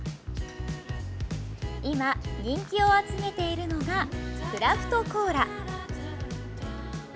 今、人気を集めているのがクラフトコーラ。